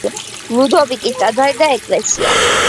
ლუდოვიკოს ტაძარი და ეკლესია.